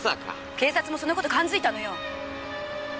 警察もそのことに感づいたのよ！